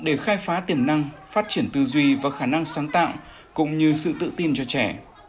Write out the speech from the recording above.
điểm này là điểm quan trọng nhất để khai phá tiềm năng phát triển tư duy và khả năng sáng tạo cũng như sự tự tin cho trẻ